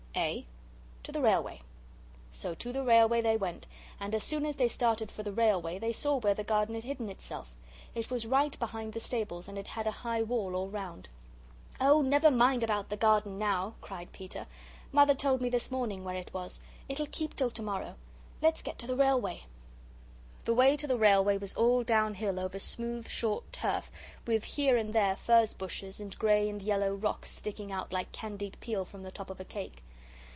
A. To the railway. So to the railway they went, and as soon as they started for the railway they saw where the garden had hidden itself. It was right behind the stables, and it had a high wall all round. "Oh, never mind about the garden now!" cried Peter. "Mother told me this morning where it was. It'll keep till to morrow. Let's get to the railway." The way to the railway was all down hill over smooth, short turf with here and there furze bushes and grey and yellow rocks sticking out like candied peel from the top of a cake.